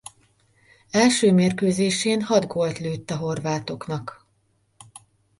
Első mérkőzésén hat gólt lőtt a horvátoknak.